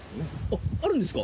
あるんですか？